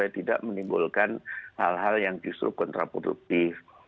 tidak menimbulkan hal hal yang justru kontraproduktif